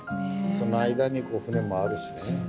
その間に船もあるしね。